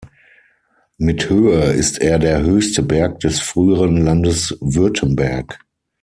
Mit Höhe ist er der höchste Berg des früheren Landes Württemberg.